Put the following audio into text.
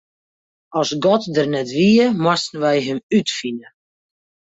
As God der net wie, moasten wy Him útfine.